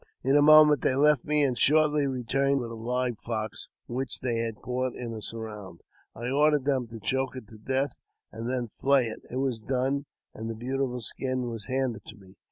In a moment they left me, and shortly returned with a live fox, which they had caught in a surround. I ordered them to choke it to death, and then flay it : it was done, and the beau tiful skin was handed to me.